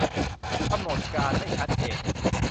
- กำหนดการไม่ชัดเจน